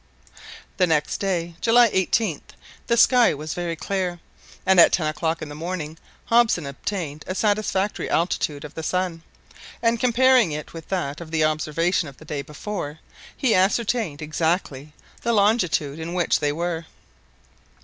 The next day, July 18th, the sky was very clear, and at ten o'clock in the morning Hobson obtained a satisfactory altitude of the sun, and, comparing it with that of the observation of the day before, he ascertained exactly the longitude in which they were.